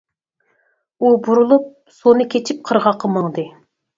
ئۇ بۇرۇلۇپ، سۇنى كېچىپ قىرغاققا ماڭدى.